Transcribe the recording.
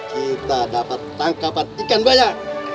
kita dapat tangkapan ikan banyak